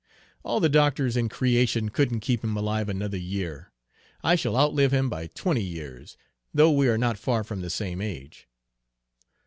"All the doctors in creation couldn't keep him alive another year. I shall outlive him by twenty years, though we are not far from the same age."